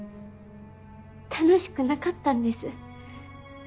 楽しくなかったんです。